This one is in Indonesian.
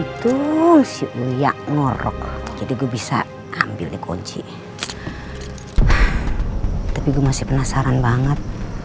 untuk siulia ngorok jadi gue bisa ambil dikunci tapi gue masih penasaran banget